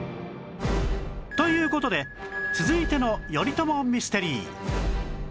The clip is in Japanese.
という事で続いての頼朝ミステリー